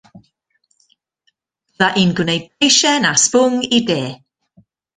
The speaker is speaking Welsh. Bydda i'n gwneud teisen sbwng i de.